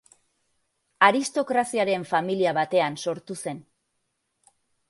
Aristokraziaren familia batean sortu zen.